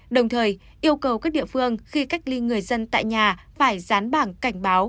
đồng thời yêu cầu các địa phương khi cách ly người dân tại nhà phải dán bảng cảnh báo